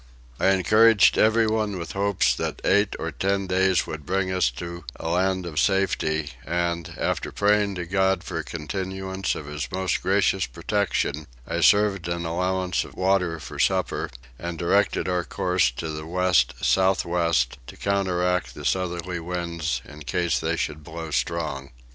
I encouraged everyone with hopes that eight or ten days would bring us to a land of safety; and, after praying to God for a continuance of his most gracious protection, I served an allowance of water for supper and directed our course to the west south west to counteract the southerly winds in case they should blow strong.